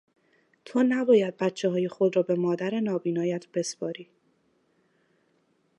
تو نباید بچههای خود را به مادر نابینایت بسپاری.